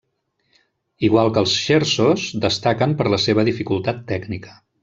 Igual que els scherzos, destaquen per la seva dificultat tècnica.